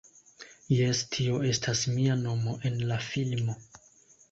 Jes tio estas mia nomo en la filmo.